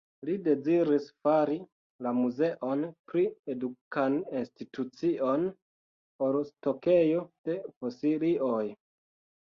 Li deziris fari la Muzeon pli edukan institucion, ol stokejo de fosilioj.